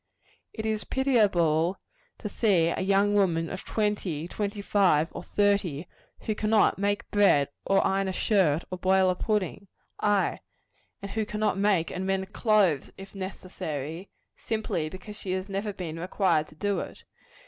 It is pitiable to see a young woman of twenty, twenty five or thirty, who cannot make bread, or iron a shirt, or boil a pudding ay, and who cannot make and mend clothes, if necessary simply because she has never been required to do it.